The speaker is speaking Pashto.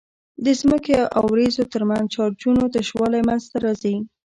د ځمکې او وريځو ترمنځ چارجونو تشوالی منځته راځي.